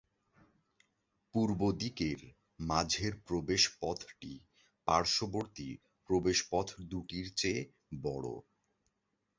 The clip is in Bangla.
পূর্বদিকের মাঝের প্রবেশ পথটি পার্শ্ববর্তী প্রবেশপথ দুটির চেয়ে বড়।